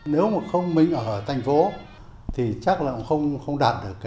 nếu mà không mình ở thành phố thì chắc là cũng không đạt được cái kết quả như thế